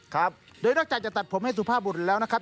ครับโดยนอกจากจะตัดผมให้สุภาพบุตรแล้วนะครับ